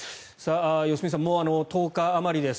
良純さん、１０日あまりです。